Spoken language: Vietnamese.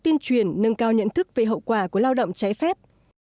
tuyên truyền nâng cao nhận thức về hậu quả của lao động trái phép